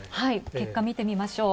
結果、見て見ましょう。